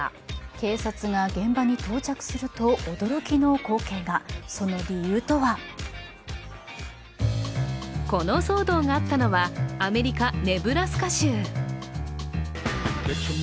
警察が現場に到着すると驚きの光景が、その理由とはこの騒動があったのはアメリカ・ネブラスカ州。